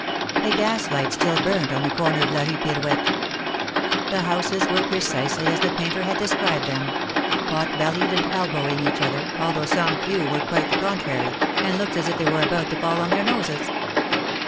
A gas light still burned on the corner of la Rue Pirouette. The houses were precisely as the painter had described them — pot bellied, and elbowing each other, although some few were quite the contrary, and looked as if they were about to fall on their noses.